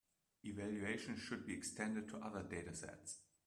Evaluation should be extended to other datasets.